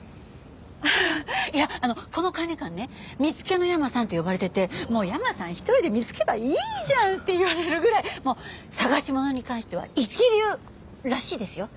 ハハいやあのこの管理官ね見つけのヤマさんって呼ばれてて「もうヤマさん一人で見つければいいじゃん！」って言われるぐらいもう捜し物に関しては一流！らしいですよ。